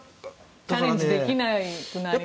チャレンジできなくなりますね。